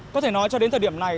có thể nói cho đến thời điểm này